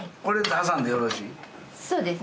これ挟んでよろしい？